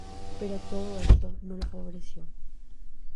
Pero todo esto no lo favoreció.